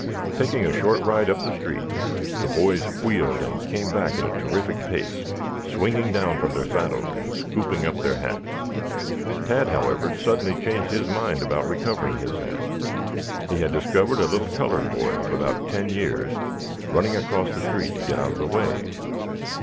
Taking a short ride up the street, the boys wheeled and came back at a terrific pace, swinging down from their saddles and scooping up their hats. Tad, however, suddenly changed his mind about recovering his hat. He had discovered a little colored boy of about ten years running across the street to get out of the way.